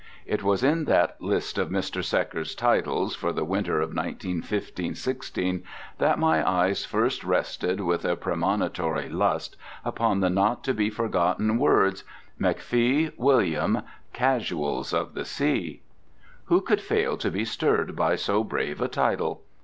It was in that list of Mr. Secker's titles for the winter of 1915 16 that my eyes first rested, with a premonitory lust, upon the not to be forgotten words. MCFEE, WILLIAM: CASUALS OF THE SEA. Who could fail to be stirred by so brave a title?